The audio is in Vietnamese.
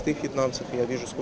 đề kết của hồ chí minh là